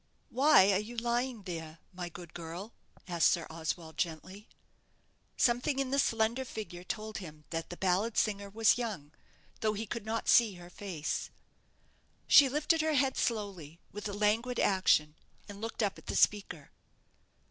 "Why are you lying there, my good girl?" asked Sir Oswald, gently. Something in the slender figure told him that the ballad singer was young, though he could not see her face. She lifted her head slowly, with a languid action, and looked up at the speaker.